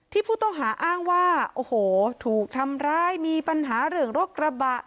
ผู้ต้องหาอ้างว่าโอ้โหถูกทำร้ายมีปัญหาเรื่องรถกระบะ